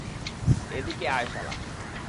এদিকে আয়, শালা।